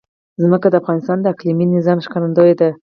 ځمکه د افغانستان د اقلیمي نظام ښکارندوی ده.